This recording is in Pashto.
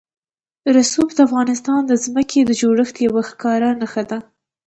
رسوب د افغانستان د ځمکې د جوړښت یوه ښکاره نښه ده.